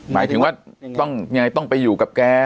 หมายถึงว่าต้องไปอยู่กับแก